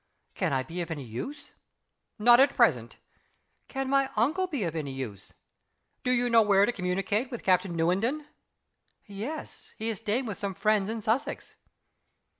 "Can I be of any use?" "Not at present." "Can my uncle be of any use?" "Do you know where to communicate with Captain Newenden?" "Yes he is staying with some friends in Sussex."